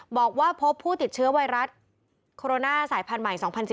บอกว่าพบผู้ติดเชื้อไวรัสโคโรนาสายพันธุ์ใหม่๒๐๑๙